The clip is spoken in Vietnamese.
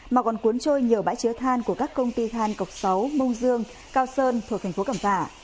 mà còn cuốn trôi nhiều bãi chứa than của các công ty than cọc sáu mông dương cao sơn thuộc thành phố cẩm phả